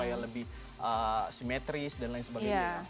supaya lebih simetris dan lain sebagainya